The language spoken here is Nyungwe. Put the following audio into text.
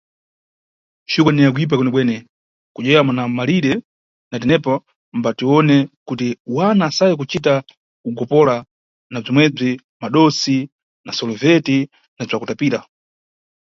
Xuka ni yakuyipa ikasaya kudyedwa na malire, na tenepo mbatiwone kuti wana asaye kucita ugopola na bzomwebzi, madosi na soloveti na bzakutapira.